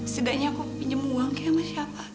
setidaknya aku pinjem uang ke masyarakat